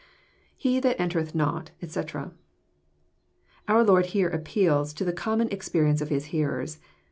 IHe that entereth not, etc,'] Our Lord here appeals to the com mon experience of His hearers.